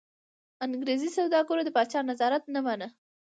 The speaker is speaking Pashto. انګرېزي سوداګرو د پاچا نظارت نه مانه.